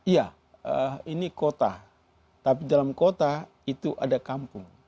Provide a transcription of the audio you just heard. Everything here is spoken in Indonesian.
ya ini kota tapi dalam kota itu ada kampung